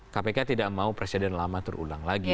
kpk tidak mau presiden lama terulang lagi